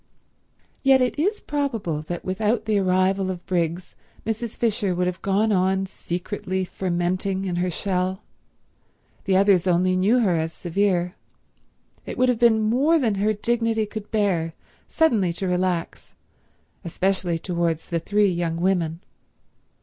Yet it is probable that without the arrival of Briggs Mrs. Fisher would have gone on secretly fermenting in her shell. The others only knew her as severe. It would have been more than her dignity could bear suddenly to relax—especially towards the three young women.